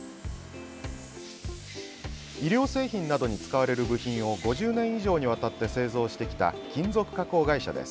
医療製品などに使われる部品を５０年以上にわたって製造してきた金属加工会社です。